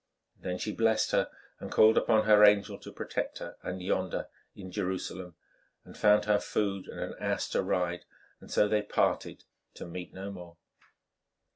Then she blessed her, and called upon her angel to protect her yonder in Jerusalem, and found her food and an ass to ride; and so they parted, to meet no more.